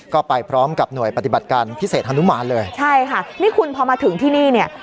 ก็ไปพร้อมกับหน่วยปฏิบัติการพิเศษฮนุมานเลยใช่ค่ะนี่คุณพอมาถึงที่นี่เนี่ย